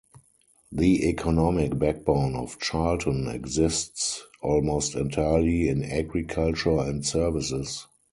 The economic backbone of Charlton exists almost entirely in agriculture and services.